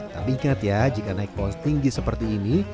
tapi ingat ya jika naik pohon tinggi seperti ini